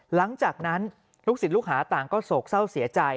หลังจากนั้นลูกศิษย์ลูกหาต่างก็โศกเศร้าเสียใจ